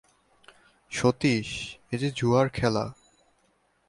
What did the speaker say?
সতীশ, এ যে জুয়া খেলা।